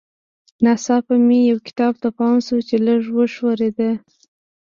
ناڅاپه مې یو کتاب ته پام شو چې لږ وښورېد